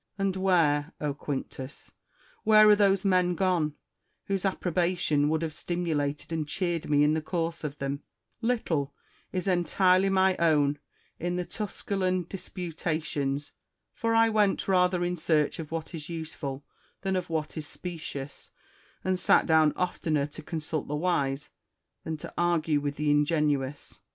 And where, O Quinctus ! where are those men gone, whose approbation would have stimulated and cheered me in the course of them % Little is entirely my own in the Tusculan Disputations ; for I went rather in search of what is useful than of what is specious, and sab down oftener to consult the wise than to argue with the ingenious.